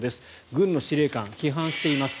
軍の司令官を批判しています。